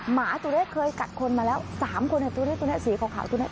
หมาตุเรศเคยกัดคนมาแล้วสามคนเหรอตุเรศตุเรศสีของขาวตุเรศ